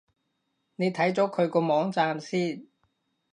你睇咗佢個網站先